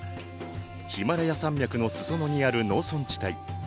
ヒマラヤ山脈の裾野にある農村地帯。